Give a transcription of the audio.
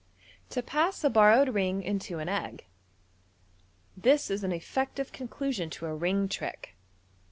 " To Pass a Borrowed Ring into an Egg. — This is an effec tive conclusion to a ring trick.